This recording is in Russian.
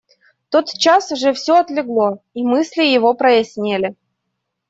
Тотчас же всё отлегло, и мысли его прояснели.